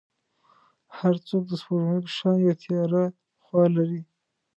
هر څوک د سپوږمۍ په شان یو تیاره خوا لري.